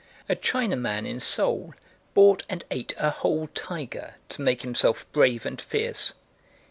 A Chinaman in Seoul bought and ate a whole tiger to make himself brave and fierce.